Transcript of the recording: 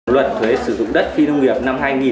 luật thuế sử dụng đất phi nông nghiệp